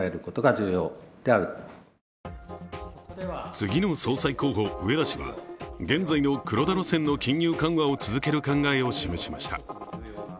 次の総裁候補・植田氏は現在の黒田路線の金融緩和を続ける考えを示しました。